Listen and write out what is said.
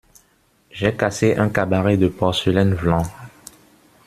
J’ai cassé un cabaret de porcelaine, vlan !